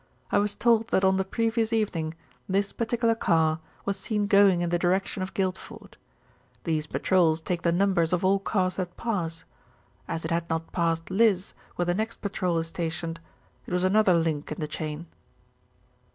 I was told that on the previous evening this particular car was seen going in the direction of Guildford. These patrols take the numbers of all cars that pass. As it had not passed Liss, where the next patrol is stationed, it was another link in the chain."